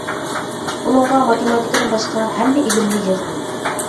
ئۇنىڭغا ماتېماتىكىدىن باشقا ھەممە ئىلىمنى يىغدىم.